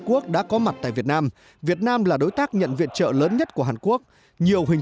quốc đã có mặt tại việt nam việt nam là đối tác nhận viện trợ lớn nhất của hàn quốc nhiều hình